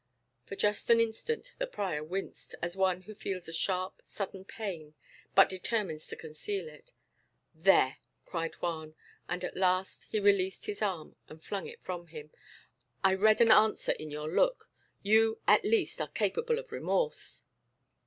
For just an instant the prior winced, as one who feels a sharp sudden pain, but determines to conceal it. "There!" cried Juan and at last he released his arm and flung it from him "I read an answer in your look. You, at least, are capable of remorse."